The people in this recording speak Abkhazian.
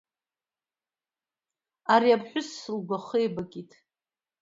Ари аԥҳәыс лгәахы еибакит.